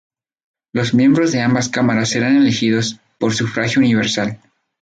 Los miembros de ambas cámaras eran elegidos por sufragio universal.